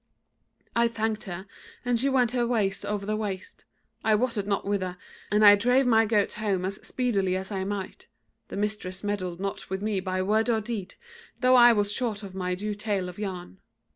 "I thanked her, and she went her ways over the waste, I wotted not whither, and I drave my goats home as speedily as I might; the mistress meddled not with me by word or deed, though I was short of my due tale of yarn.